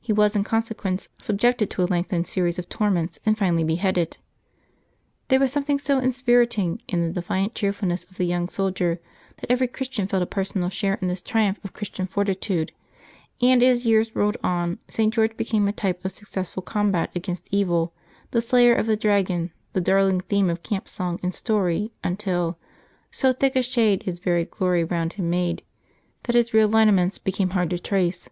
He was in con sequence subjected to a lengthened series of torments, and finally beheaded. There was something so inspiriting in the defiant cheerfulness of the young soldier, that every Christian felt a personal share in this triumph of Christian fortitude ; and as years rolled on St. George became a type of successful combat against evil, the slayer of the dragon, the darling theme of camp song and story, until " so thick a shade his very glory round him made" that his real lineaments became hard to trace.